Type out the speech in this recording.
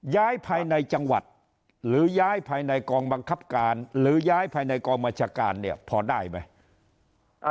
ย้ายภายในจังหวัดหรือย้ายภายในกองบังคับการหรือย้ายภายในกองบัญชาการเนี่ยพอได้ไหม